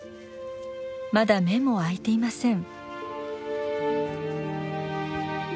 まだ目も開いていません。